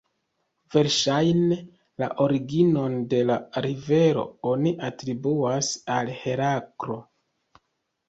Verŝajne, la originon de la rivero oni atribuas al Heraklo.